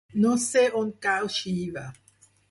No sé on cau Xiva.